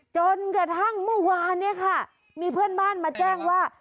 จนกระทั่งเมื่อวานเนี่ยค่ะมีเพื่อนบ้านมาแจ้งว่า